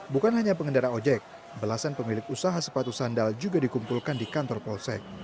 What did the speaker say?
bukan hanya pengendara ojek belasan pemilik usaha sepatu sandal juga dikumpulkan di kantor polsek